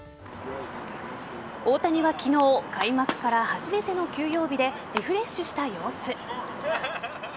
大谷は昨日開幕から初めての休養日でリフレッシュした様子。